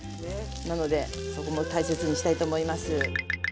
なのでそこも大切にしたいと思います。